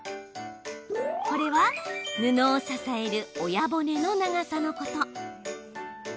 これは布を支える親骨の長さのこと。